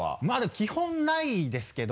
基本ないですけど。